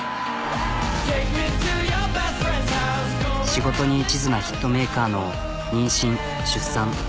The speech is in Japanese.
仕事に一途なヒットメーカーの妊娠出産。